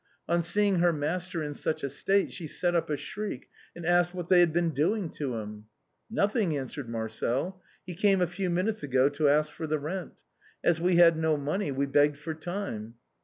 On seeing her master in such a state, she set up a shriek, and asked "what they had been doing to him?" " Nothing," answered Marcel ;" he came a few minutes ago to ask for the rent. As we had no money we begged for time."